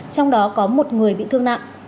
trong đó có một người bị thương nặng